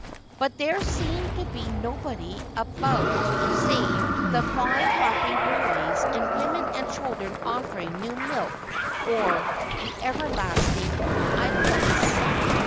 But there seemed to be nobody about save the fly flapping boys, and women and children offering new milk or the everlasting edelweiss.